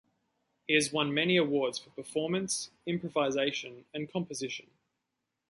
He has won many awards for performance, improvisation, and composition.